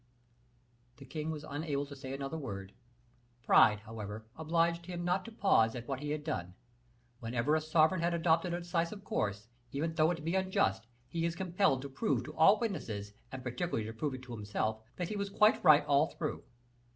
The king was unable to say another word. Pride, however, obliged him not to pause at what he had done; whenever a sovereign has adopted a decisive course, even though it be unjust, he is compelled to prove to all witnesses, and particularly to prove it to himself, that he was quite right all through.